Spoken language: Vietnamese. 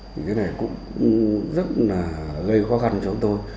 thì cái này cũng rất là gây khó khăn cho tôi